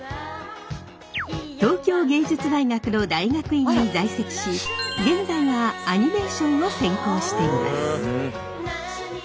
東京藝術大学の大学院に在籍し現在はアニメーションを専攻しています。